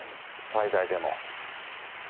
最大でも。